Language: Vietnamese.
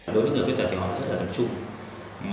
đối với người khuyết tật thì họ rất là tập trung